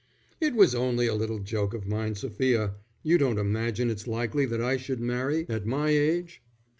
"It was only a little joke of mine, Sophia. You don't imagine it's likely that I should marry at my age."